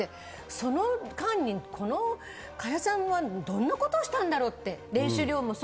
その間に萱さんはどんなことをしたんだろうって。